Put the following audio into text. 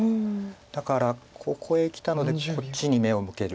だからここへきたのでこっちに目を向ける。